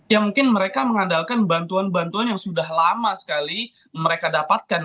ya mungkin mereka mengandalkan bantuan bantuan yang sudah lama sekali mereka dapatkan